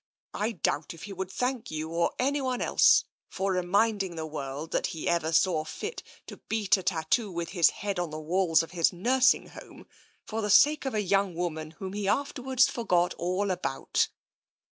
I doubt if he would thank you or anyone else for reminding the world that he ever saw fit to beat a tattoo with his head on the walls of his nursing home for the sake of a young woman whom he afterwards forgot all about."